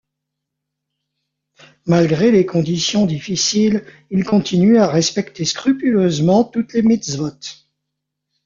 Malgré les conditions difficiles, il continue à respecter scrupuleusement toutes les mitsvot.